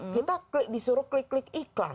kita disuruh klik klik iklan